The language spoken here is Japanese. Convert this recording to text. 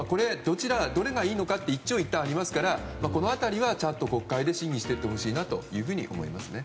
どれがいいのかと一長一短ありますからこの辺りはちゃんと国会で審議していってほしいなと思いますね。